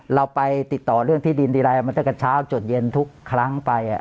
เราไปติดต่อเรื่องที่ดินทีไรมันตั้งแต่เช้าจดเย็นทุกครั้งไป